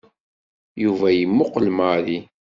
Yuba yemmuqel Mary.